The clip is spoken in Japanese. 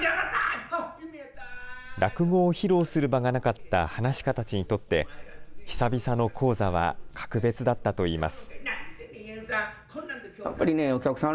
落語を披露する場がなかったはなし家たちにとって、久々の高座は格別だったといいます。